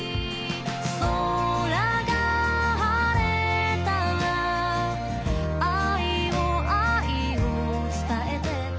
「空が晴れたら愛を、愛を伝えて」